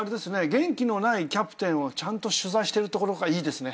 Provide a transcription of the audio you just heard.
元気のないキャプテンをちゃんと取材してるところがいいですね。